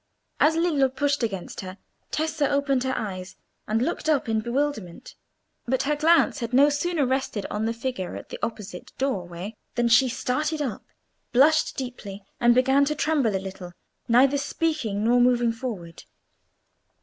As Lillo pushed against her, Tessa opened her eyes, and looked up in bewilderment; but her glance had no sooner rested on the figure at the opposite doorway than she started up, blushed deeply, and began to tremble a little, neither speaking nor moving forward.